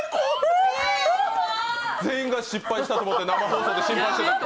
全員が失敗したと思って生放送で。